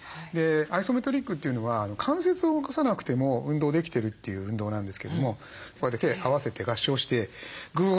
アイソメトリックというのは関節を動かさなくても運動できてるという運動なんですけれどもこうやって手合わせて合掌してグーッと両側から押すだけでいいです。